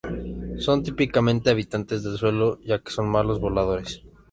Son típicamente habitantes del suelo, ya que son malos voladores.